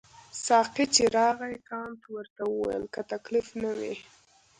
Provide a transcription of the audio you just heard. ساقي چې راغی کانت ورته وویل که تکلیف نه وي.